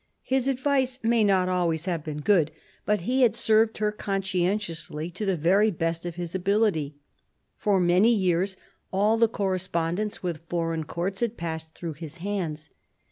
His advice may not always have been good, but he had served her con scientiously, to the very best of his ability For many years all the correspondence with foreign courts had passed through his hands.